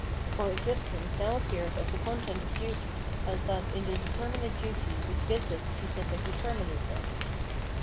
For existence now appears as the content of duty, as that in the determinate duty which gives it specific determinateness.